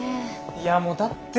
いやもうだって。